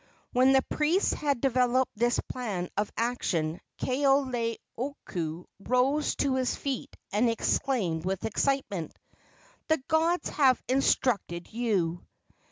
When the priests had developed this plan of action Kaoleioku rose to his feet and exclaimed with excitement: "The gods have instructed you!"